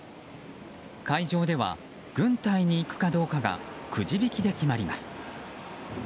会場では、軍隊に行くかどうかがくじ引きで決まります。